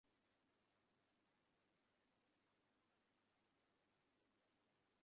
এই সিলগুলো ঠিক আগে দেখা সিলের মত নয়।